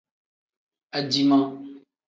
Aciima.